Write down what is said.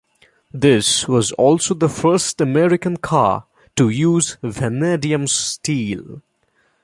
This was also the first American car to use vanadium steel.